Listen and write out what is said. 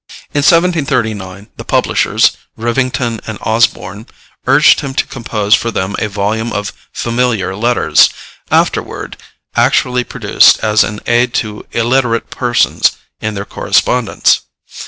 In 1739 the publishers, Rivington and Osborne, urged him to compose for them a volume of Familiar Letters, afterward actually produced as an aid to illiterate persons in their correspondence.